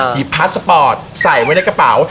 พาสสปอร์ตใส่ไว้ในกระเป๋า